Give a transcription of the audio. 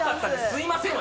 すいません。